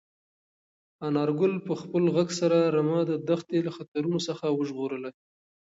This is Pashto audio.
انارګل په خپل غږ سره رمه د دښتې له خطرونو څخه وژغورله.